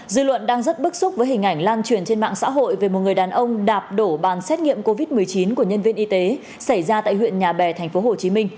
dư luận đang rất bức xúc với hình ảnh lan truyền trên mạng xã hội về một người đàn ông đạp đổ bàn xét nghiệm covid một mươi chín của nhân viên y tế xảy ra tại huyện nhà bè tp hcm